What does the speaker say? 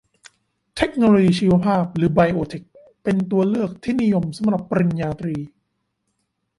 เทคโนโลยีชีวภาพ หรือ ไอโอเทค เป็นตัวเลือกที่นิยมสำหรับปริญญาตรี